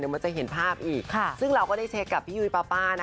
ก็จะเห็นภาพอีกซึ่งเราก็ได้เช็กกับพี่ยุริปป้า